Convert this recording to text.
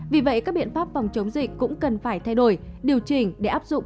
vì vậy các biện pháp phòng chống dịch cũng cần phải thay đổi điều chỉnh để áp dụng